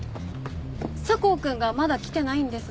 佐向くんがまだ来てないんですが。